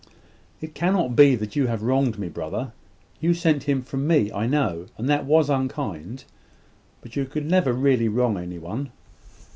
"It cannot be that you have wronged me, brother. You sent him from me, I know; and that was unkind: but you could never really wrong any one."